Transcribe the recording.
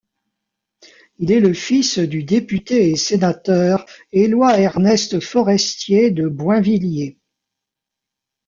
Il est le fils du député et sénateur Éloy-Ernest Forestier de Boinvilliers.